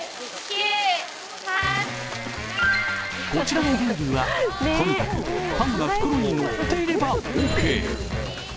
こちらのルールはとにかくパンが袋に乗っていればオーケー。